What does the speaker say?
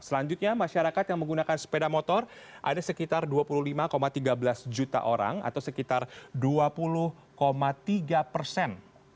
selanjutnya masyarakat yang menggunakan sepeda motor ada sekitar dua puluh lima tiga belas juta orang atau sekitar dua puluh tiga persen